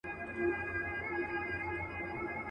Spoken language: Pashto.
زما تر ټولو امیرانو معتبره.